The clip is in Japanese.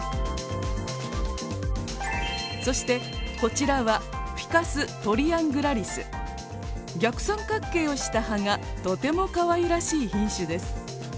そしてこちらは逆三角形をした葉がとてもかわいらしい品種です。